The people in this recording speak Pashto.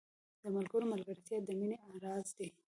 • د ملګري ملګرتیا د مینې راز دی.